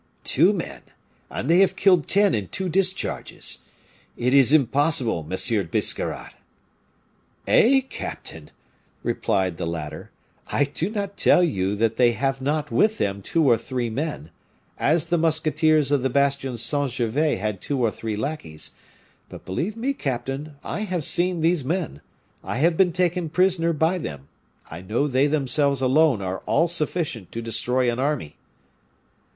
"Two men and they have killed ten in two discharges! It is impossible, Monsieur Biscarrat!" "Eh! captain," replied the latter, "I do not tell you that they have not with them two or three men, as the musketeers of the Bastion Saint Gervais had two or three lackeys; but, believe me, captain, I have seen these men, I have been taken prisoner by them I know they themselves alone are all sufficient to destroy an army."